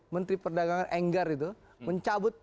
menteri perdagangan enggar itu mencabut